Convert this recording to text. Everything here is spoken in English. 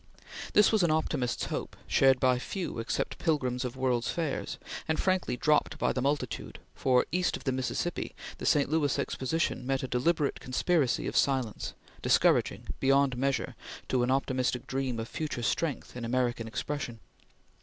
This was an optimist's hope, shared by few except pilgrims of World's Fairs, and frankly dropped by the multitude, for, east of the Mississippi, the St. Louis Exposition met a deliberate conspiracy of silence, discouraging, beyond measure, to an optimistic dream of future strength in American expression.